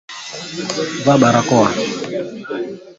Magonjwa ya ngozi kwa kondoo hujumuisha ukurutu na ndui